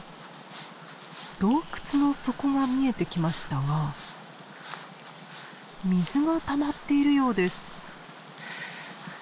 洞窟の底が見えてきましたが水がたまっているようです。